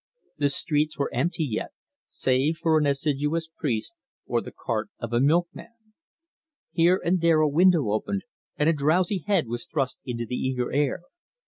The streets were empty yet, save for an assiduous priest or the cart of a milkman. Here and there a window opened and a drowsy head was thrust into the eager air.